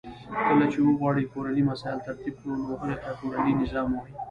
کله چی وغواړو کورنی مسایل ترتیب کړو نو هغه ته کورنی نظام وای .